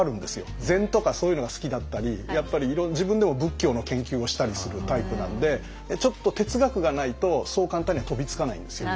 禅とかそういうのが好きだったりやっぱり自分でも仏教の研究をしたりするタイプなんでちょっと哲学がないとそう簡単には飛びつかないんですよ。